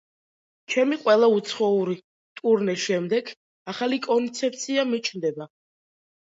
ჩემი ყველა უცხოური ტურნეს შემდეგ, ახალი კონცეფცია მიჩნდება.